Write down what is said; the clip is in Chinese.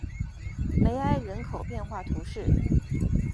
梅埃人口变化图示